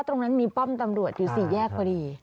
ตรงนั้นมีป้อมตำรวจอยู่๔แยกพอดี